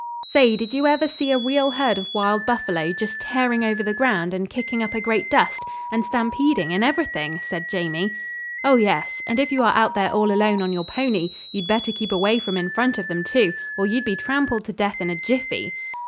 "Say, did you ever see a real herd of wild buffalo just tearing over the ground and kicking up a great dust and stampeding and everything?" said Jamie. "Oh, yes. And if you are out there all alone on your pony, you'd better keep away from in front of them, too, or you'd be trampled to death in a jiffy."